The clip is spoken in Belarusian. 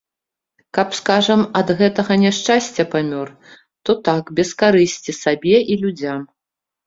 Каб, скажам, ад гэтага няшчасця памёр, то так, без карысці сабе і людзям.